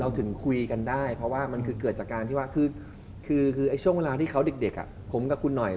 ถึงคุยกันได้เพราะว่ามันคือเกิดจากการที่ว่าคือช่วงเวลาที่เขาเด็กผมกับคุณหน่อย